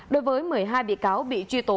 đối với một mươi hai bị cáo bị truy tố